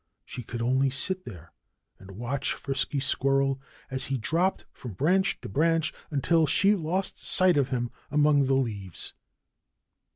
She could only sit there and watch Frisky Squirrel as he dropped from branch to branch, until she lost sight of him among the leaves.